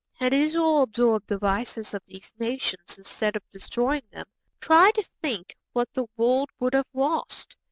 Had Israel absorbed the vices of these nations instead of destroying them, try to think what the world would have lost!